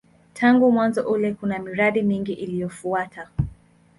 Tangu mwanzo ule kuna miradi mingi iliyofuata.